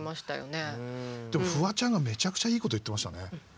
でもフワちゃんがめちゃくちゃいいこと言ってましたね。